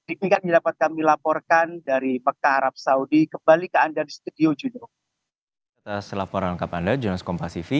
ini kan dapat kami laporkan dari peka arab saudi kembali ke anda di studio juga